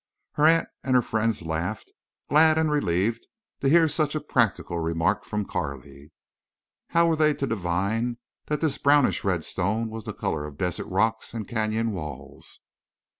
Her aunt and her friends laughed, glad and relieved to hear such a practical remark from Carley. How were they to divine that this brownish red stone was the color of desert rocks and canyon walls?